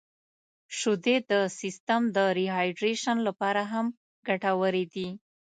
• شیدې د سیستم د ریهایدریشن لپاره هم ګټورې دي.